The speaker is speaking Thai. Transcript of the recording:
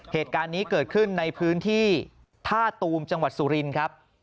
เหตุการณ์นี้เกิดขึ้นในพื้นที่ท่าตูมจังหวัดสุรินครับ